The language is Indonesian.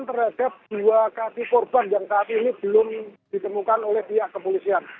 terhadap dua kaki korban yang saat ini belum ditemukan oleh pihak kepolisian